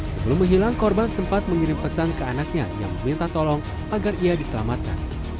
sebelum menghilang korban sempat mengirim pesan ke anaknya yang meminta tolong agar ia diselamatkan